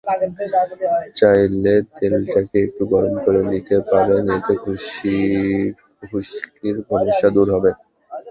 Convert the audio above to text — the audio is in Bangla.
চাইলে তেলটাকে একটু গরম করে নিতে পারেন, এতে খুশকির সমস্যা দূর হবে।